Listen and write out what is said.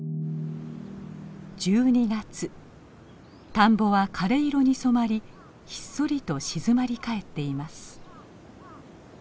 田んぼは枯れ色に染まりひっそりと静まり返っています。